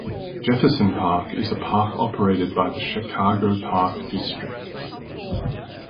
Jefferson Park is a park operated by the Chicago Park District.